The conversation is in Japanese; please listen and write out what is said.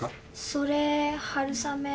それ春雨。